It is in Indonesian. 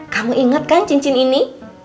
kamu ingat kan cincin ini